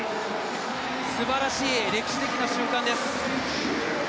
素晴らしい、歴史的な瞬間です。